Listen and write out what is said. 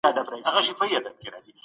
ټولنه کله کله د قربانۍ غوښتنه کوي.